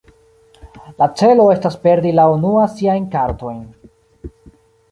La celo estas perdi la unua siajn kartojn.